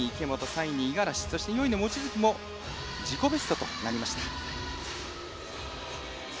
３位に五十嵐、４位の望月も自己ベストとなりました。